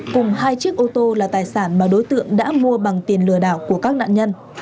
cùng hai chiếc ô tô là tài sản mà đối tượng đã mua bằng tiền lừa đảo của các nạn nhân